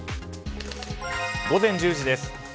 午前１０時です。